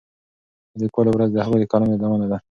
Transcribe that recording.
د لیکوالو ورځ د هغوی د قلم یادونه ده.